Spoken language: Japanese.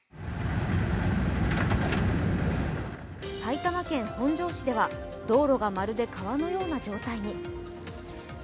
埼玉県本庄市では、道路がまるで川のような状態に。